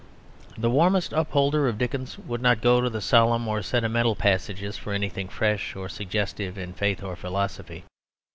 The warmest upholder of Dickens would not go to the solemn or sentimental passages for anything fresh or suggestive in faith or philosophy.